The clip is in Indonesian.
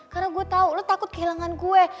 karena gue tahu lo takut kehilangan gue